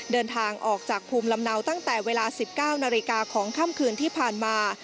เดินทางออกจากภูมิลำเนาตั้งแต่เวลา๑๙นาฬิกาของค่ำคืนที่ผ่านมา